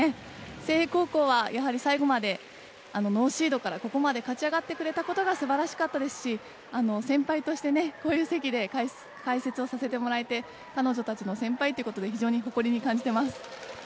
誠英高校は最後までノーシードからここまで勝ち上がってくれたことが素晴らしかったですし先輩として、こういう席で解説をさせてもらえて彼女たちの先輩ということで非常に誇りに感じています。